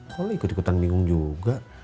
kok lo ikut ikutan bingung juga